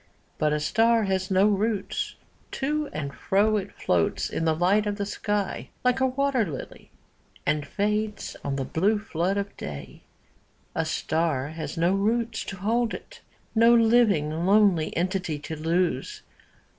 'But a star has no roots : to and fro It floats in the light of the sky, like a wat«r ]ily. And fades on the blue flood of day. A star has do roots to hold it, No living lonely entity to lose.